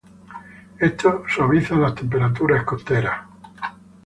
Esto suaviza las temperaturas costeras.